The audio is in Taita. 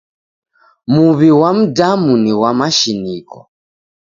Muw'I ghwa mdamu ni ghwa mashiniko.